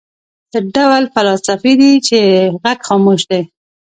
څه ډول فلاسفې دي چې غږ خاموش دی.